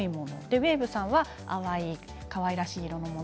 ウエーブさんは淡いかわいらしい色のもの。